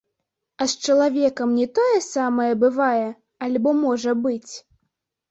А з чалавекам не тое самае бывае альбо можа быць?